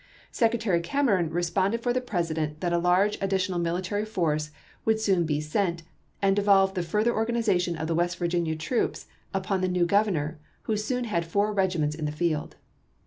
Secretary Cam eron responded for the President that a large additional military force would soon be sent, and devolved the further organization of West Virginia troops upon the new Governor, who soon had four regiments in the field.